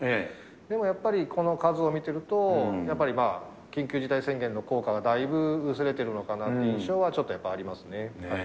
でもやっぱり、この数を見てると、やっぱりまあ、緊急事態宣言の効果は、だいぶ薄れてるのかなという印象はちょっとやっぱりありますね。